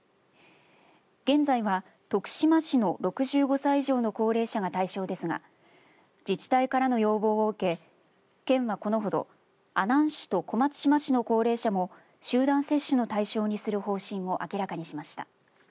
現在は徳島市の６５歳以上の高齢者が対象ですが自治体からの要望を受け県はこのほど阿南市と小松島市の高齢者も集団接種の対象にする方針を明らかにしました。